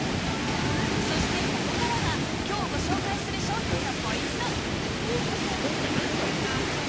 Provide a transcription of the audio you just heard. そしてここからが今日ご紹介する商品のポイント